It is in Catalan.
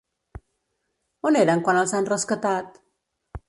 On eren quan els han rescatat?